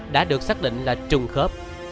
và sự khẳng định là trùng khớp